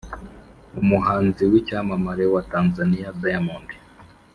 Umuhanzi wicyamamare watanzaniya diamond